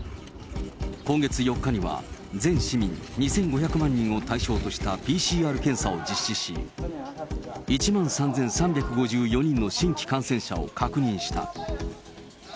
今月４日には、全市民２５００万人を対象としたＰＣＲ検査を実施し、１万３３５４人の新規感染者を確認した。